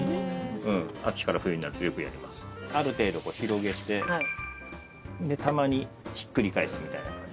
ある程度広げてたまにひっくり返すみたいな感じで。